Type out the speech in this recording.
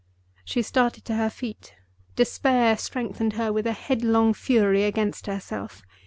She started to her feet; despair strengthened her with a headlong fury against herself.